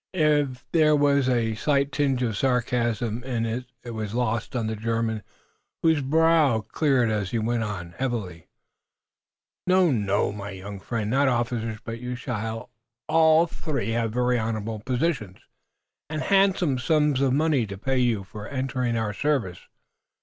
If there was a slight tinge of sarcasm in his it was lost on the German, whose brow cleared as he went on, heavily: "No, no, my young friend; not officers. But you shall all three have very honorable positions, and handsome sums of money to pay you for entering our service.